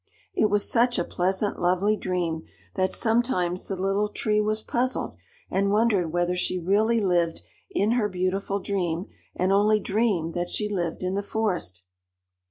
It was such a pleasant, lovely dream that sometimes the Little Tree was puzzled, and wondered whether she really lived in her beautiful dream, and only dreamed that she lived in the forest.